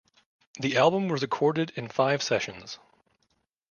The album was recorded in five sessions.